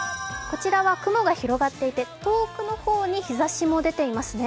こちらは雲が広がっていて遠くの方に日ざしも出ていますね。